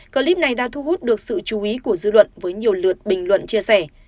clip này đã thu hút được sự chú ý của dư luận với nhiều lượt bình luận chia sẻ